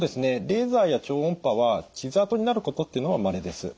レーザーや超音波は傷あとになることっていうのはまれです。